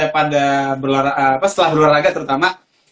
pada setelah berolahraga terutama